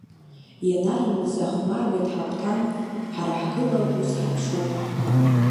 Ианар мза хәмаруеит ҳагәҭа, ҳара ҳгыла ус ҳаԥшуп.